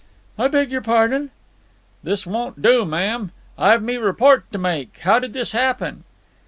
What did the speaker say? "I beg your pardon?" "This won't do, ma'am. I've me report to make. How did this happen?"